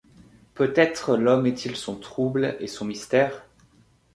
Peut-être l’homme est-il son trouble et son mystère?